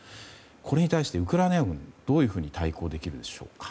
これに対して、ウクライナ軍どういうふうに対抗できるでしょうか。